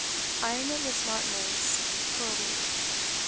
I am at Miss Martineau's for a week.